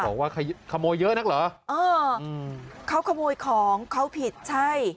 บอกว่าขโมยเยอะนักเหรอเอออืมเขาขโมยของเขาผิดใช่